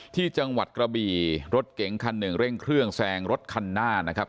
ที่จังหวัดกระบี่รถเก๋งคันหนึ่งเร่งเครื่องแซงรถคันหน้านะครับ